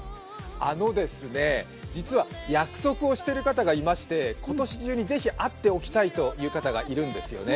実は約束をしている方がいまして、今年中にぜひ会っておきたいという方がいるんですね。